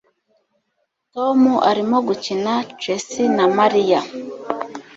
Tom arimo gukina chess na Mariya